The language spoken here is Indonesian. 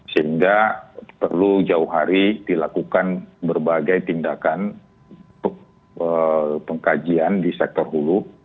sehingga perlu jauh hari dilakukan berbagai tindakan untuk pengkajian di sektor hulu